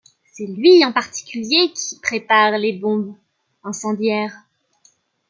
C’est lui en particulier, qui prépare les bombes incendiaires.